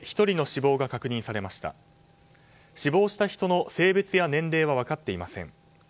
死亡した人の性別や年齢は分かっていません。